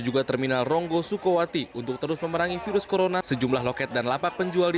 juga terminal ronggo sukowati untuk terus memerangi virus corona sejumlah loket dan lapak penjual di